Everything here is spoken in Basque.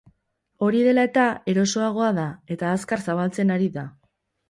Hori dela-eta, erosoagoa da, eta azkar zabaltzen ari da.